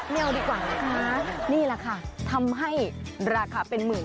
แนวดีกว่านะคะนี่แหละค่ะทำให้ราคาเป็นหมื่น